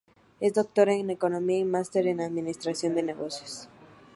Es Doctor en economía y máster en administración de negocios.